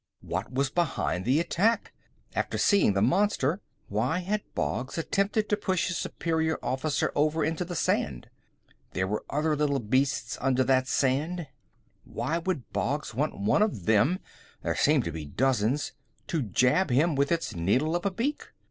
What was behind the attack? After seeing the monster, why had Boggs attempted to push his superior officer over into the sand? There were other little beasts under that sand; why would Boggs want one of them there seemed to be dozens to jab him with its needle of a beak?